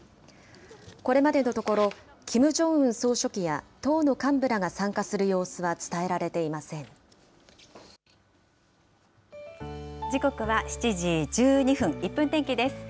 これまでのところ、キム・ジョンウン総書記や党の幹部らが参加する様子は伝えられて時刻は７時１２分、１分天気です。